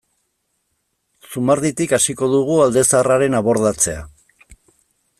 Zumarditik hasiko dugu alde zaharraren abordatzea.